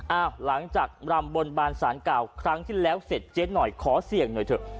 หลังจากรำบนบานสารเก่าครั้งที่แล้วเสร็จเจ๊หน่อยขอเสี่ยงหน่อยเถอะ